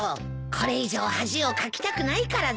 これ以上恥をかきたくないからだよ。